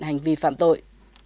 hành vi phạm tội